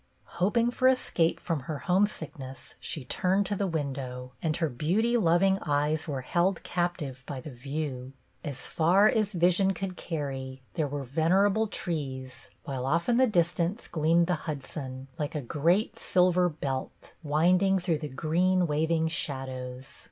Hoping for escape from her homesickness she turned to the window; and her beauty loving eyes were held captive by the view. AT LAST THE DAY! 51 As far as vision could carry there were ven erable trees, while off in the distance gleamed the Hudson, like a great silver belt, winding through the green waving shadows.